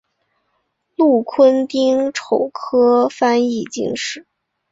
禄坤丁丑科翻译进士。